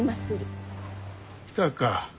来たか。